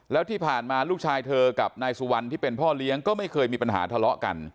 แล้วที่ผ่านมาลูกชายเธอกับนายสุวรรณที่เป็นพ่อเลี้ยงก็ไม่เคยมีปัญหาทะเลาะกัน